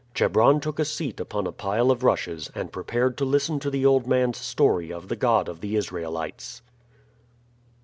Chebron took a seat upon a pile of rushes and prepared to listen to the old man's story of the God of the Israelites.